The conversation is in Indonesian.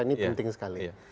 ini penting sekali